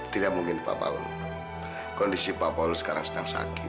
tidak mungkin pak paul kondisi pak paulus sekarang sedang sakit